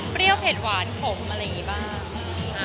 เปรี้ยวเผ็ดหวานขมอะไรแบบนี้บ้าง